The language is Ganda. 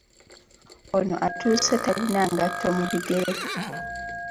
Ono atuuse talina ngatto mu bigere.